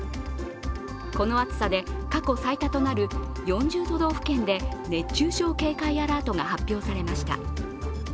この暑さで過去最多となる４０都道府県で熱中症警戒アラートが発表されました。